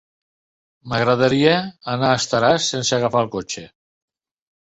M'agradaria anar a Estaràs sense agafar el cotxe.